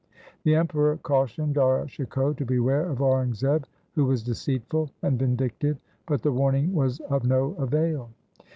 The Emperor cautioned Dara Shikoh to beware of Aurangzeb who was deceitful and vindictive, but the warning was of no avail.